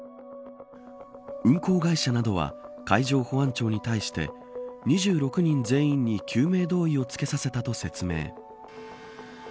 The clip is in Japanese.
運航会社などは海上保安庁に対して２６人全員に救命胴衣を着けさせたと説明。